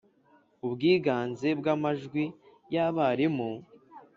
ubwiganze bw’ amajwi y’ abarimu